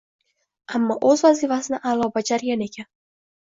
ammo o‘z vazifasini a’lo bajargan ekan.